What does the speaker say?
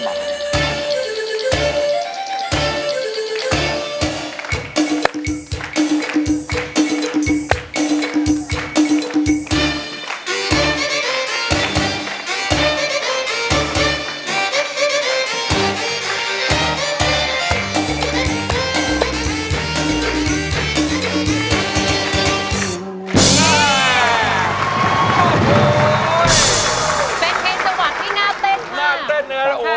เป็นเพลงนิดเวลาที่น่าเต้นมา